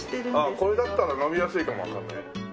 これだったら飲みやすいかもわかんない。